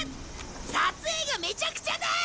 撮影がめちゃくちゃだよ